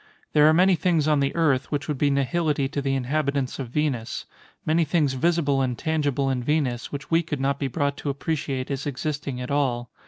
There are many things on the Earth, which would be nihility to the inhabitants of Venus—many things visible and tangible in Venus, which we could not be brought to appreciate as existing at all.